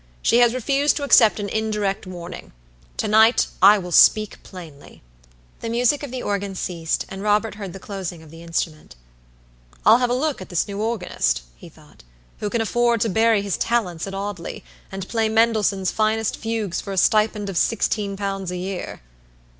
She has refused to accept an indirect warning. To night I will speak plainly." The music of the organ ceased, and Robert heard the closing of the instrument. "I'll have a look at this new organist," he thought, "who can afford to bury his talents at Audley, and play Mendelssohn's finest fugues for a stipend of sixteen pounds a year."